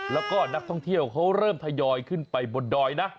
แล้วก็นักท่องเที่ยวเขาเริ่มทยอยขึ้นไปบนดอยนะ